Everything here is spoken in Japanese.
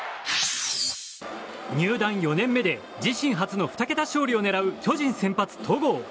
入団４年目で自身初の２桁勝利を狙う巨人先発、戸郷。